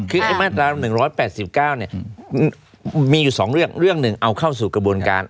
คือในแม่ธรรม๑๘๙มีอยู่๒เรื่องเรื่องนึงเอาเข้าสู่กระบวนการ